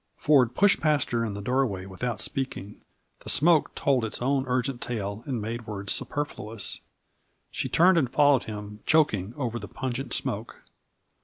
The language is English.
Ford pushed past her in the doorway without speaking; the smoke told its own urgent tale and made words superfluous. She turned and followed him, choking over the pungent smoke.